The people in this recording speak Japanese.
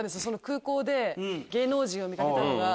空港で芸能人を見かけたのが。